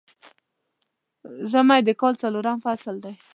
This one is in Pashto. ژمی د کال څلورم فصل دی